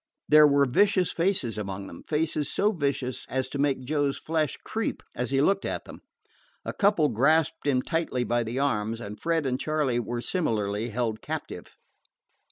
There were vicious faces among them faces so vicious as to make Joe's flesh creep as he looked at them. A couple grasped him tightly by the arms, and Fred and Charley were similarly held captive.